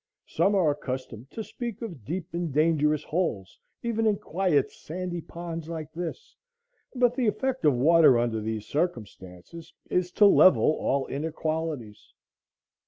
Some are accustomed to speak of deep and dangerous holes even in quiet sandy ponds like this, but the effect of water under these circumstances is to level all inequalities.